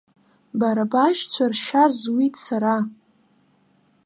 Бара башьцәа ршьа зуит сара.